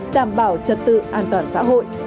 đảm bảo trật tự an toàn xã hội